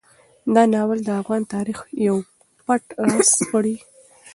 دا ناول د افغان تاریخ یو پټ راز سپړي.